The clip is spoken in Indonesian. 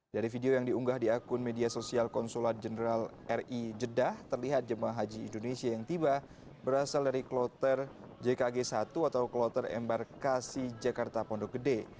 dari video yang diunggah di akun media sosial konsulat jenderal ri jeddah terlihat jemaah haji indonesia yang tiba berasal dari kloter jkg satu atau kloter embarkasi jakarta pondok gede